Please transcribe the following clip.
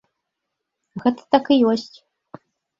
Гэта так і ёсць.